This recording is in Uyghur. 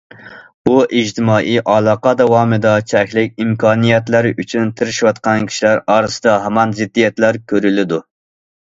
بۇ ئىجتىمائىي ئالاقە داۋامىدا چەكلىك ئىمكانىيەتلەر ئۈچۈن تىرىشىۋاتقان كىشىلەر ئارىسىدا ھامان زىددىيەتلەر كۆرۈلىدۇ.